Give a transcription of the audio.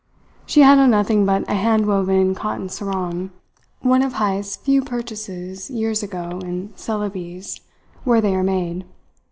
She had on nothing but a hand woven cotton sarong one of Heyst's few purchases, years ago, in Celebes, where they are made.